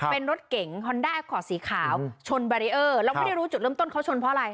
เป็นรถเก่งฮอนด้าขอดสีขาวชนแล้วไม่ได้รู้จุดเริ่มต้นเขาชนเพราะอะไร